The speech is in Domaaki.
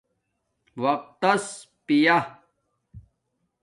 وقتس پیا